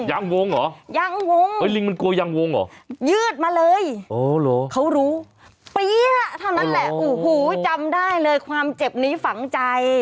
ยังวงเหรอยังวงยืดมาเลยเขารู้ปี้๊ะทั้งนั้นแหละจำได้เลยความเจ็บนี้ฝังใจ